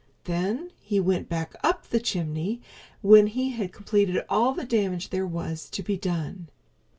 Then he went back up the chimney when he had completed all the damage there was to be done.